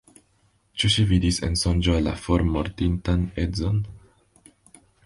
Ĉu ŝi vidis en sonĝo la formortintan edzon?